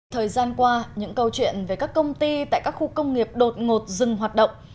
thời gian qua những câu chuyện về các công ty tại các khu công nghiệp đột ngột dừng hoạt động